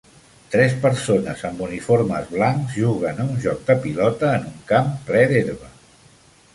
Tres persones amb uniformes blancs juguen a un joc de pilota en un camp ple d'herba.